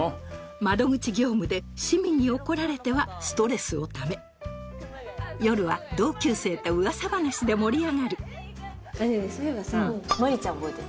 窓口業務で市民に怒られてはストレスをため夜は同級生と噂話で盛り上がるそういえばさ真里ちゃん覚えてる？